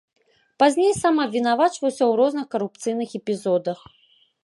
Пазней сам абвінавачваўся ў розных карупцыйных эпізодах.